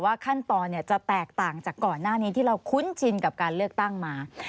ขั้นตอนจะแตกต่างจากก่อนหน้านี้ที่เราคุ้นชินกับการเลือกตั้งมา